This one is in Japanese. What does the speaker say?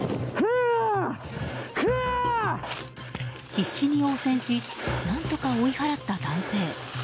必死に応戦し何とか追い払った男性。